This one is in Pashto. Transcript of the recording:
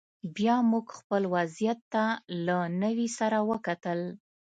بیا موږ خپل وضعیت ته له نوي سره وکتل